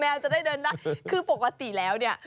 จะได้เดินได้คือปกติแล้วเนี่ย